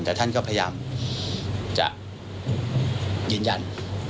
แต่ท่านก็พยายามจะยืนยัน